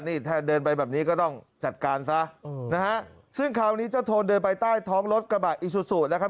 นี่ถ้าเดินไปแบบนี้ก็ต้องจัดการซะนะฮะซึ่งคราวนี้เจ้าโทนเดินไปใต้ท้องรถกระบะอิซูซูแล้วครับ